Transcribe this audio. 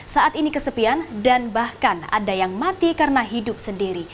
saat ini kesepian dan bahkan ada yang mati karena hidup sendiri